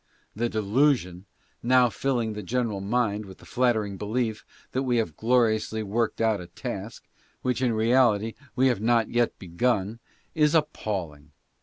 The delusion now filling the general mind with the flattering belief that we have gloriously worked out a task, which in reality we have not yet begun, is appalling.